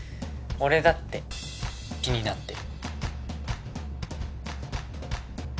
俺だって気になってる。